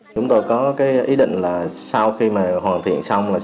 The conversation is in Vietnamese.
chúng tôi có ý định là sau khi mà hoàn thiện xong